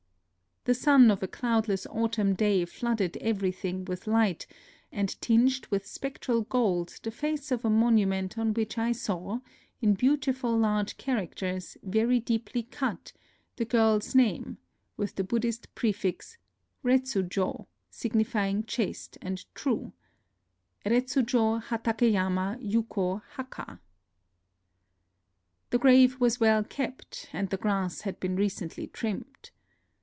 The sun of a cloudless autumn day flooded everything with light, and tinged with spec tral gold the face of a monument on which I saw, in beautiful large characters very deeply cut, the girl's name, with the Buddhist prefix Retsiijo^ signifying chaste and true, — EETSUJO HATAKEYAMA YUKO HAKA. The grave was well kept, and the grass had been recently trimmed.